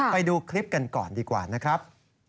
ไปดูคลิปกันก่อนดีกว่านะครับ